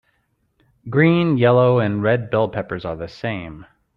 Green, yellow and red bell peppers are the same.